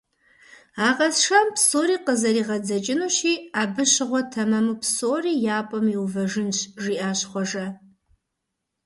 А къасшэм псори къызэригъэдзэкӀынущи, абы щыгъуэ тэмэму псори я пӀэм иувэжынщ, - жиӀащ Хъуэжэ.